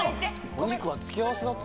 お肉は付け合わせだって。